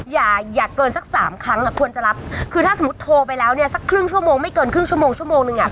อย่าอย่าเกินสักสามครั้งอ่ะควรจะรับคือถ้าสมมุติโทรไปแล้วเนี่ยสักครึ่งชั่วโมงไม่เกินครึ่งชั่วโมงชั่วโมงนึงอ่ะ